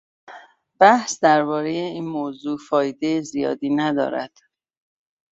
بحث دربارهٔ این موضوع فایدهٔ زیادی ندارد.